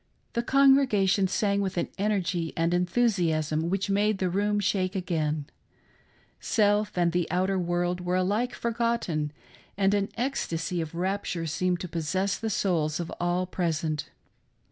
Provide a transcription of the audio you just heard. The con gregation sang with an energy and enthusiasm which made the room shake again. Self and the outer world were alike forgotten, and an ecstacy of rapture seemed to possess the 46 THE MISSION OF ELDER STENHOUSE. souls of all present.